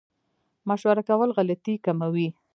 مشوره کول غلطي کموي